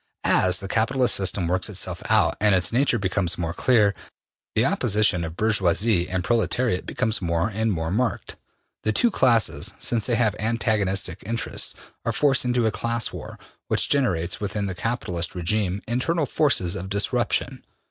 As the capitalist system works itself out and its nature becomes more clear, the opposition of bourgeoisie and proletariat becomes more and more marked. The two classes, since they have antagonistic interests, are forced into a class war which generates within the capitalist regime internal forces of disruption.